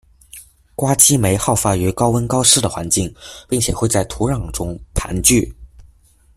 瓜笄霉好发于高温高湿的环境，并且会在土壤中盘据。